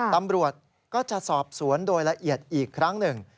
ตำรวจก็จะสอบสวนโดยละเอียดอีกครั้งหนึ่ง